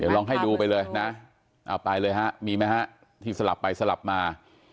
ลองให้ดูไปเลยนะเอาไปเลยฮะมีไหมฮะที่สลับไปสลับมา